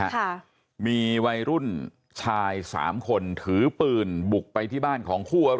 ค่ะมีวัยรุ่นชายสามคนถือปืนบุกไปที่บ้านของคู่อริ